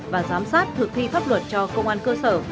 và giám sát thực thi pháp luật cho công an cơ sở